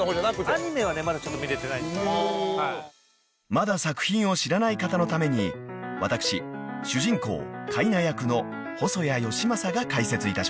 ［まだ作品を知らない方のために私主人公カイナ役の細谷佳正が解説いたします］